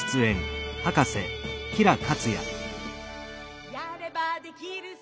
「やればできるさ